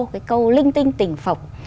cái câu linh tinh tỉnh phộc